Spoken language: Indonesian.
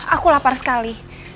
aku lapar sekali